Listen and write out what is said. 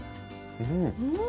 うん！